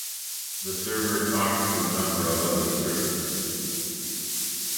The server talks to a number of other services